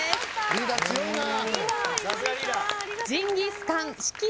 リーダー強いなぁ。